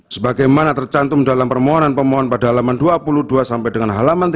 sebagaimana tercantum dalam permohonan pemohon pada halaman dua puluh dua sampai dengan halaman tiga puluh